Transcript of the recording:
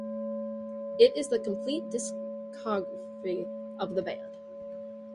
It is the complete discography of the band.